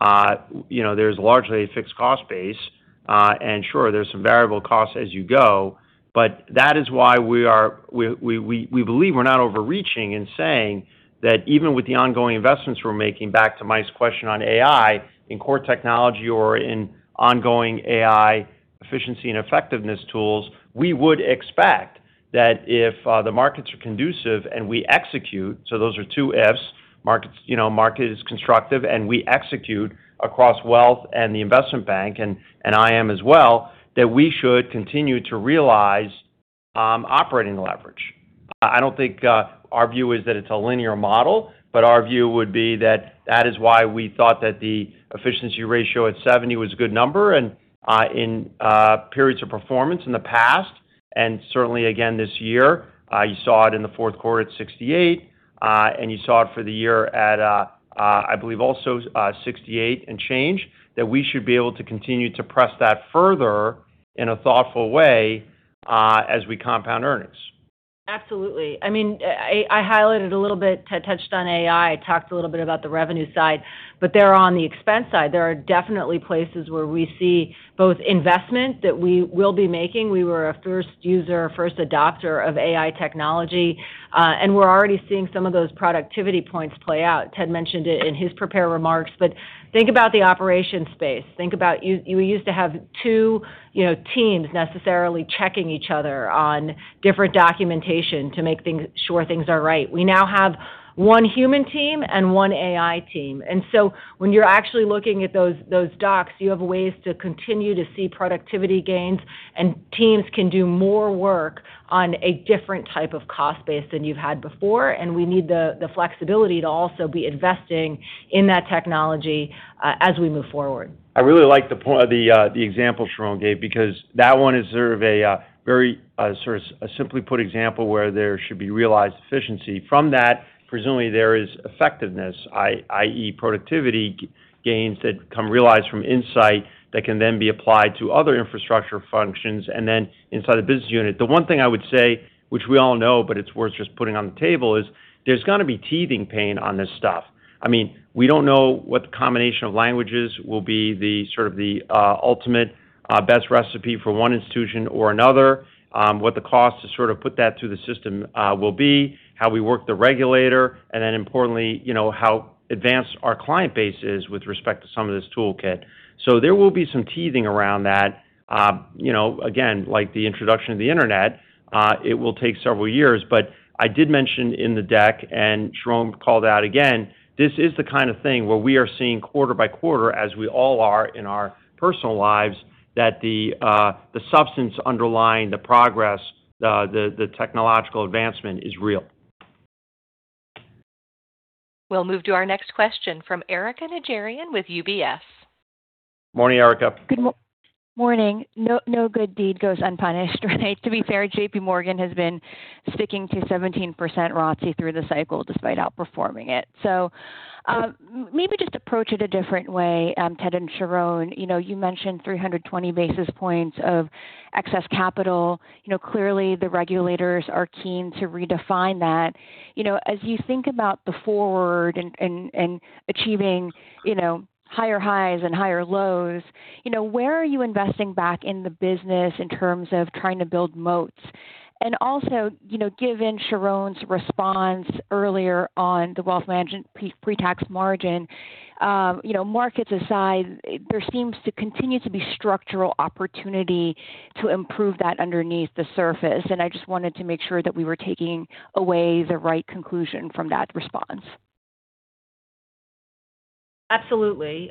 There's largely a fixed cost base. And sure, there's some variable costs as you go. But that is why we believe we're not overreaching in saying that even with the ongoing investments we're making back to Mike's question on AI in core technology or in ongoing AI efficiency and effectiveness tools, we would expect that if the markets are conducive and we execute, so those are two ifs, market is constructive and we execute across wealth and the investment bank and IM as well, that we should continue to realize operating leverage. I don't think our view is that it's a linear model, but our view would be that that is why we thought that the efficiency ratio at 70% was a good number and in periods of performance in the past. Certainly, again, this year, you saw it in the fourth quarter at 68%, and you saw it for the year at, I believe, also 68% and change that we should be able to continue to press that further in a thoughtful way as we compound earnings. Absolutely. I mean, I highlighted a little bit, touched on AI, talked a little bit about the revenue side, but there on the expense side, there are definitely places where we see both investment that we will be making. We were a first user, first adopter of AI technology, and we're already seeing some of those productivity points play out. Ted mentioned it in his prepared remarks, but think about the operation space. Think about we used to have two teams necessarily checking each other on different documentation to make sure things are right. We now have one human team and one AI team. And so when you're actually looking at those docs, you have ways to continue to see productivity gains, and teams can do more work on a different type of cost base than you've had before. And we need the flexibility to also be investing in that technology as we move forward. I really like the example Sharon gave because that one is sort of a very simply put example where there should be realized efficiency. From that, presumably, there is effectiveness, i.e., productivity gains that come realized from insight that can then be applied to other infrastructure functions and then inside the business unit. The one thing I would say, which we all know, but it's worth just putting on the table, is there's going to be teething pain on this stuff. I mean, we don't know what the combination of languages will be the sort of the ultimate best recipe for one institution or another, what the cost to sort of put that through the system will be, how we work the regulator, and then importantly, how advanced our client base is with respect to some of this toolkit. So there will be some teething around that. Again, like the introduction of the internet, it will take several years. But I did mention in the deck, and Sharon called out again, this is the kind of thing where we are seeing quarter by quarter, as we all are in our personal lives, that the substance underlying the progress, the technological advancement is real. We'll move to our next question from Erica Najarian with UBS. Morning, Erica. Good morning. No good deed goes unpunished, right? To be fair, JPMorgan has been sticking to 17% ROTCE through the cycle despite outperforming it. So maybe just approach it a different way, Ted and Sharon. You mentioned 320 basis points of excess capital. Clearly, the regulators are keen to redefine that. As you think about the forward and achieving higher highs and higher lows, where are you investing back in the business in terms of trying to build moats? And also, given Sharon's response earlier on the Wealth Management pre-tax margin, markets aside, there seems to continue to be structural opportunity to improve that underneath the surface. And I just wanted to make sure that we were taking away the right conclusion from that response. Absolutely.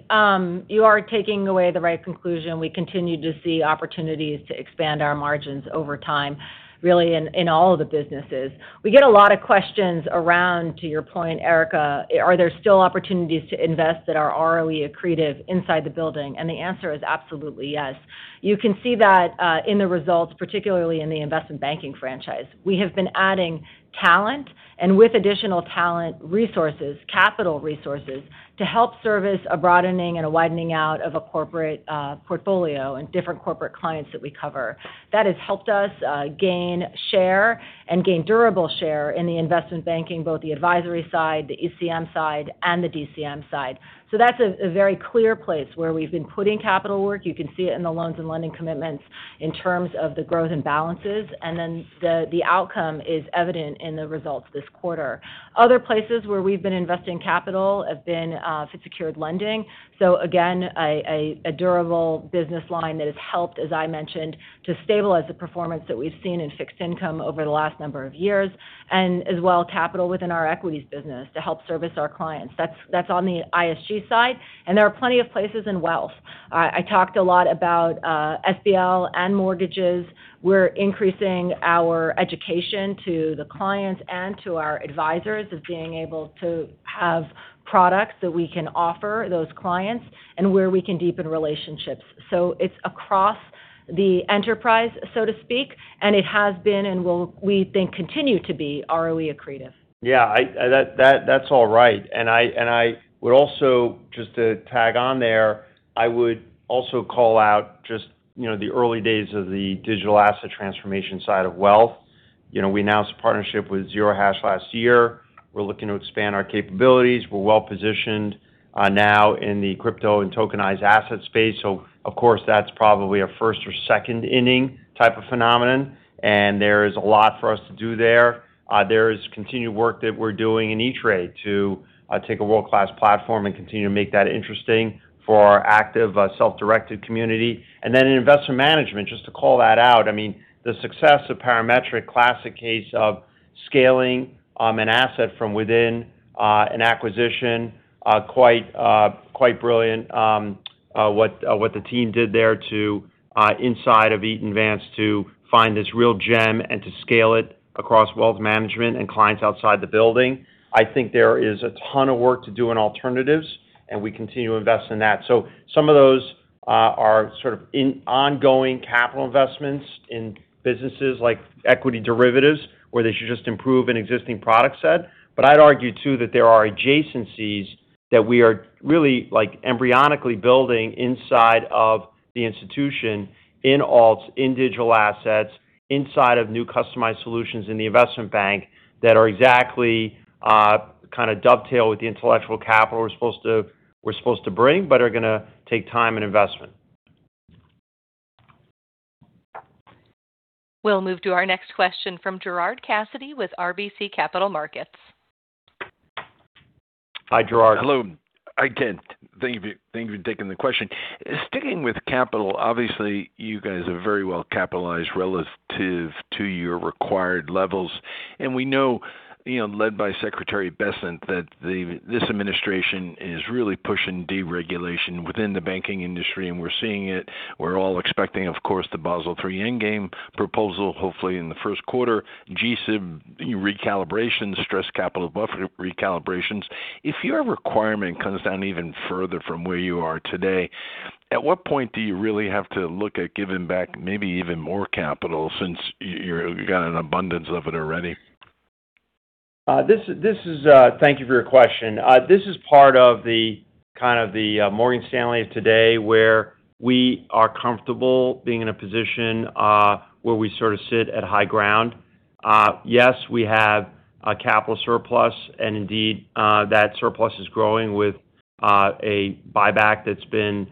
You are taking away the right conclusion. We continue to see opportunities to expand our margins over time, really, in all of the businesses. We get a lot of questions around, to your point, Erica, are there still opportunities to invest that are ROE accretive inside the building? And the answer is absolutely yes. You can see that in the results, particularly in the Investment Banking franchise. We have been adding talent and with additional talent resources, capital resources to help service a broadening and a widening out of a corporate portfolio and different corporate clients that we cover. That has helped us gain share and gain durable share in the Investment Banking, both the advisory side, the ECM side, and the DCM side. So that's a very clear place where we've been putting capital work. You can see it in the loans and lending commitments in terms of the growth and balances. And then the outcome is evident in the results this quarter. Other places where we've been investing capital have been fixed secured lending. So again, a durable business line that has helped, as I mentioned, to stabilize the performance that we've seen in fixed income over the last number of years, and as well capital within our equities business to help service our clients. That's on the ISG side. And there are plenty of places in wealth. I talked a lot about SBL and mortgages. We're increasing our education to the clients and to our advisors of being able to have products that we can offer those clients and where we can deepen relationships. So it's across the enterprise, so to speak, and it has been and will, we think, continue to be ROE accretive. Yeah, that's all right. I would also, just to tag on there, I would also call out just the early days of the digital asset transformation side of wealth. We announced a partnership with Zero Hash last year. We're looking to expand our capabilities. We're well positioned now in the crypto and tokenized asset space. So, of course, that's probably a first or second inning type of phenomenon, and there is a lot for us to do there. There is continued work that we're doing in E*TRADE to take a world-class platform and continue to make that interesting for our active self-directed community. And then in Investment Management, just to call that out, I mean, the success of Parametric, classic case of scaling an asset from within an acquisition, quite brilliant what the team did there inside of Eaton Vance to find this real gem and to scale it across Wealth Management and clients outside the building. I think there is a ton of work to do in alternatives, and we continue to invest in that. So some of those are sort of ongoing capital investments in businesses like equity derivatives where they should just improve an existing product set. But I'd argue too that there are adjacencies that we are really embryonically building inside of the institution in alts, in digital assets, inside of new customized solutions in the investment bank that are exactly kind of dovetail with the intellectual capital we're supposed to bring, but are going to take time and investment. We'll move to our next question from Gerard Cassidy with RBC Capital Markets. Hi, Gerard. Hello. Again, thank you for taking the question. Sticking with capital, obviously, you guys are very well capitalized relative to your required levels. And we know, led by Secretary Bessent, that this administration is really pushing deregulation within the banking industry, and we're seeing it. We're all expecting, of course, the Basel III end game proposal, hopefully in the first quarter, GSIB recalibrations, stress capital buffer recalibrations. If your requirement comes down even further from where you are today, at what point do you really have to look at giving back maybe even more capital since you've got an abundance of it already? Thank you for your question. This is part of the kind of Morgan Stanley of today where we are comfortable being in a position where we sort of sit at high ground. Yes, we have a capital surplus, and indeed, that surplus is growing with a buyback that's been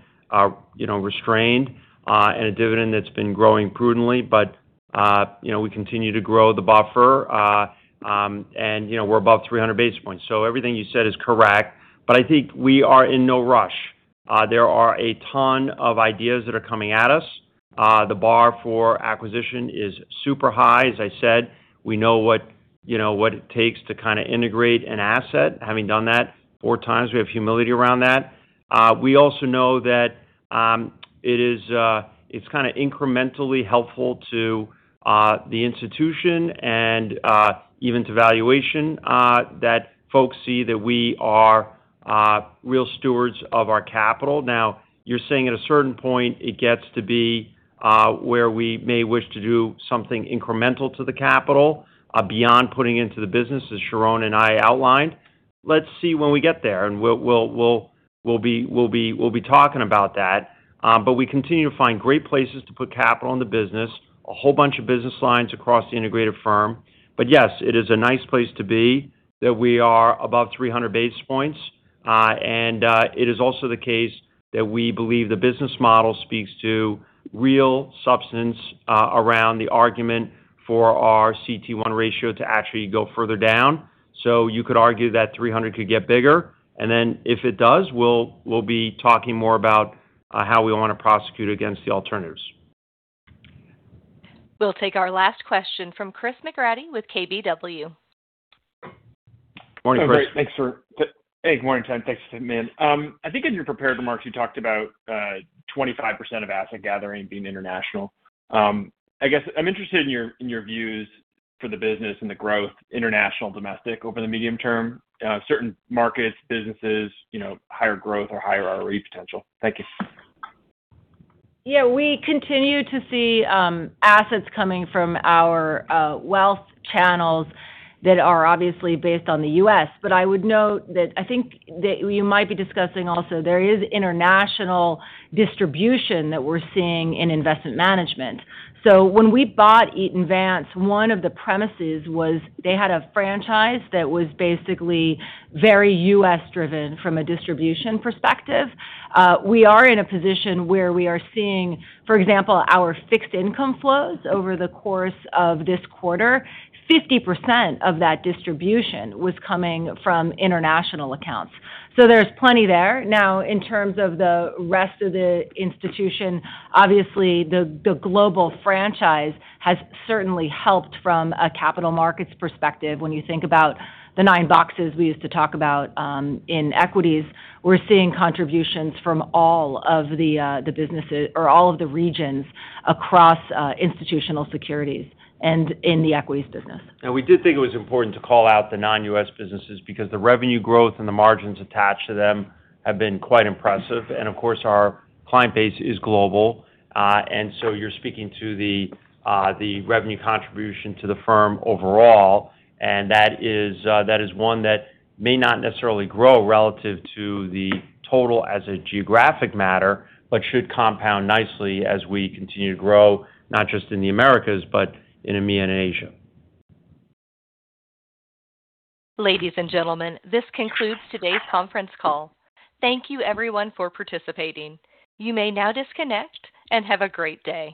restrained and a dividend that's been growing prudently. But we continue to grow the buffer, and we're above 300 basis points. So everything you said is correct, but I think we are in no rush. There are a ton of ideas that are coming at us. The bar for acquisition is super high. As I said, we know what it takes to kind of integrate an asset, having done that four times. We have humility around that. We also know that it's kind of incrementally helpful to the institution and even to valuation that folks see that we are real stewards of our capital. Now, you're saying at a certain point it gets to be where we may wish to do something incremental to the capital beyond putting into the business, as Sharon and I outlined. Let's see when we get there, and we'll be talking about that. But we continue to find great places to put capital in the business, a whole bunch of business lines across the integrated firm. But yes, it is a nice place to be that we are above 300 basis points. And it is also the case that we believe the business model speaks to real substance around the argument for our CET1 ratio to actually go further down. So you could argue that 300 could get bigger. And then if it does, we'll be talking more about how we want to prosecute against the alternatives. We'll take our last question from Chris McGratty with KBW. Morning, Chris. Hey, good morning, Ted. Thanks for coming in. I think in your prepared remarks, you talked about 25% of asset gathering being international. I guess I'm interested in your views for the business and the growth, international, domestic over the medium term, certain markets, businesses, higher growth, or higher ROE potential. Thank you. Yeah, we continue to see assets coming from our wealth channels that are obviously based on the U.S.But I would note that I think that you might be discussing also there is international distribution that we're seeing in Investment Management. So when we bought Eaton Vance, one of the premises was they had a franchise that was basically very U.S.-driven from a distribution perspective. We are in a position where we are seeing, for example, our fixed income flows over the course of this quarter, 50% of that distribution was coming from international accounts. So there's plenty there. Now, in terms of the rest of the institution, obviously, the global franchise has certainly helped from a capital markets perspective. When you think about the nine boxes we used to talk about in equities, we're seeing contributions from all of the businesses or all of the regions across Institutional Securities and in the equities business. And we did think it was important to call out the non-U.S. businesses because the revenue growth and the margins attached to them have been quite impressive. And of course, our client base is global. And so you're speaking to the revenue contribution to the firm overall. And that is one that may not necessarily grow relative to the total as a geographic matter, but should compound nicely as we continue to grow, not just in the Americas, but in EMEA and Asia. Ladies and gentlemen, this concludes today's conference call. Thank you, everyone, for participating. You may now disconnect and have a great day.